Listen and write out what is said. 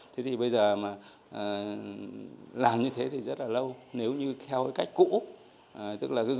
thế thì bây giờ mà làm như thế thì rất là lâu nếu như theo cái cách cũ tức là cứ dò trong sổ ra xem là cái cháu nào